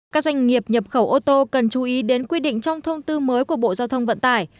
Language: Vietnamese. các doanh nghiệp nhập khẩu ô tô cần chú ý đến quy định trong thông tư mới của bộ giao thông vận tải